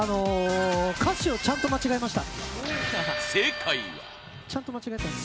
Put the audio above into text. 歌詞をちゃんと間違えました。